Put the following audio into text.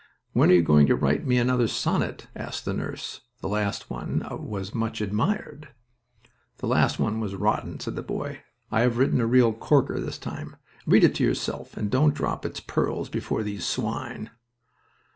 "When are you going to write me another sonnet?" asked the nurse. "The last one was much admired." "The last one was rotten," said the boy. "I have written a real corker this time. Read it to yourself, and don't drop its pearls before these swine."